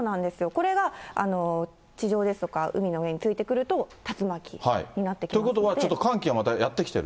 これが地上ですとか海の上に来るということはちょっと寒気がまたやって来ている。